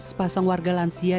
sepasang warga lainnya berkata